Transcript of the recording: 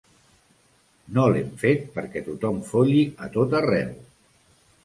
No l’hem fet perquè tothom folli a tot arreu.